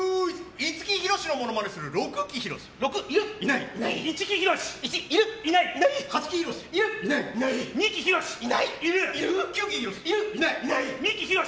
五木ひろしの物まねする六木ひろし。